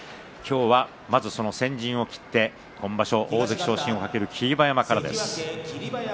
まずは先陣を切って今場所、大関昇進を懸ける霧馬山からです。